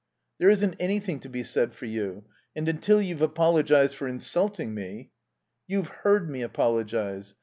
"There isn't anything to be said for you. And until you've apologized for insulting me " "You've heard me apologize.